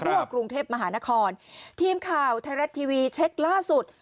กรุงเทพมหานครทีมข่าวไทยรัฐทีวีเช็คล่าสุด